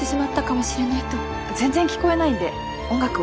全然聞こえないんで音楽は。